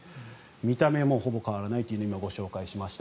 見た目もほぼ変わらないと今、ご紹介しました。